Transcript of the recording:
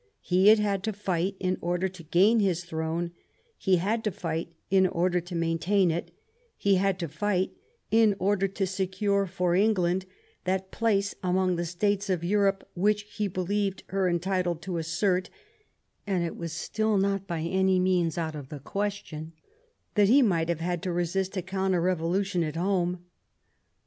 He had had to fight in order to gain his throne, he had to fight in order to maintain it, he had to fight in order to secure for England that place among the states of Europe which he believed her entitled to assert, and it was still not by any means out of the question that he might have had to resist a counter revolution at home.